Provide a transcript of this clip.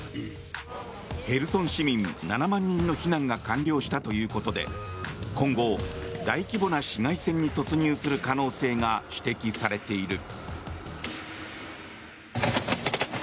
ヘルソン市民７万人の避難が完了したということで今後、大規模な市街戦に突入する可能性が指摘されている。